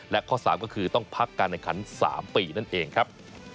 และข้อ๓ก็คือต้องพักการแข่งขัน๓ปีนั่นเองครับ